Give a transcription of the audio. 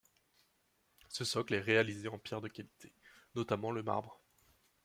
Ce socle est réalisé en pierre de qualité, notamment le marbre.